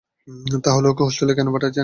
তাহলে ওকে হোস্টেলে কেনো পাঠাইছেন?